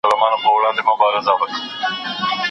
د جنون غرغړې مړاوي زولانه هغسي نه ده